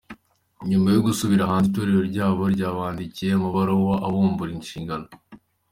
Nyuma yo gusubira hanze, itorero ryabo ryabandikiye amabaruwa abambura inshingano.